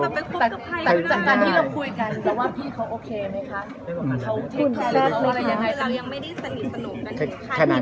ค่ะแต่ว่ายังไม่ได้คบกันนะคะ